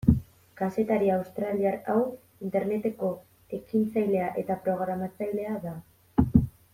Kazetari australiar hau Interneteko ekintzailea eta programatzailea da.